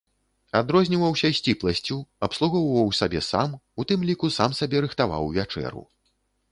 Адрозніваўся сціпласцю, абслугоўваў сабе сам, у тым ліку сам сабе рыхтаваў вячэру.